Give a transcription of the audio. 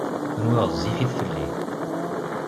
Kenwi ɣezzifit fell-i.